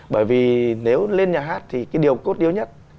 bởi vì nếu lên nhà hát thì cái điều cốt điếu nhất